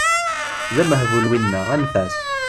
D amehbul winna, anef-as!